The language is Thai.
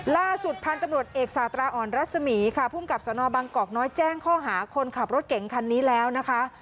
ล่าสุดพันธุ์ตำรวจเอกสาตราอ่อนรัศมีค่ะภูมิกับสนบังกอกน้อยแจ้งข้อหาคนขับรถเก่งคันนี้แล้วนะคะ